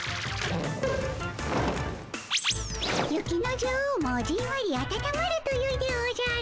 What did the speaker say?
雪の女王もじんわりあたたまるとよいでおじゃる。